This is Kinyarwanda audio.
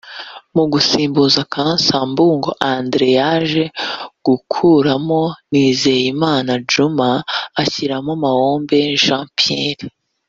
Mu gusimbuza Cassa Mbungo Andre yaje gukuramo Nizeyimana Djuma ashyiramo Maombi Jean Pierre